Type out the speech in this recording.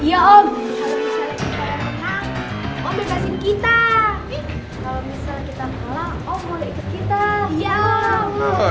iya om kalau misalnya kita kalah menang mau berhasil kita